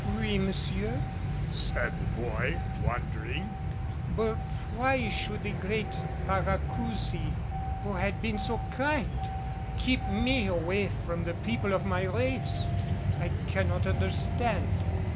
"Oui, monsieur," said the boy wondering "but why should the great Paracousi, who had been so kind, keep me away from the people of my race? I cannot understand."